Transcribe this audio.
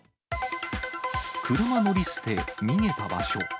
車乗り捨て、逃げた場所。